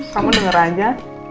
kamu denger aja